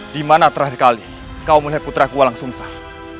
dimana terakhir kali kau menerput putraku walang sungsang